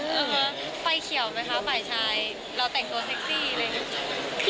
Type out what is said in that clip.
เออฮะไฟเขียวไหมคะไฟชายหล่อแต่งตัวเซ็กซี่อะไรแบบนี้